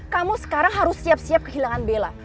kamu sekarang harus siap siap kehilangan bela